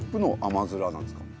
まづらなんですか？